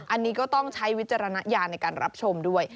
อันนี้ก็ต้องใช้วิจารณญาณในการรับชมด้วย